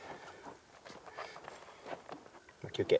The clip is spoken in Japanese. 休憩。